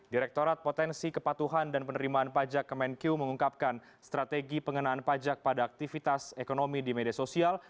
direktorat potensi kepatuhan dan penerimaan pajak kemenku mengungkapkan strategi pengenaan pajak pada aktivitas ekonomi di media sosial